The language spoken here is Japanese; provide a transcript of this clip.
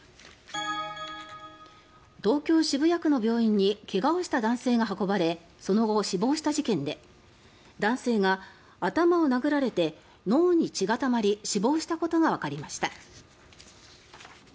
東京・渋谷区の病院に怪我をした男性が運ばれその後、死亡した事件で男性が頭を殴られて脳に血がたまり死亡したことがわかりました。